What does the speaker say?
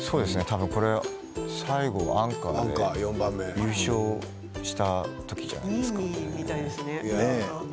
これは最後アンカーで優勝したときじゃないですかね。